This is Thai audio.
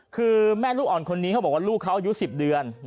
คือแม่ลูกอ่อนคนนี้เขาบอกว่าลูกเขาอายุ๑๐เดือน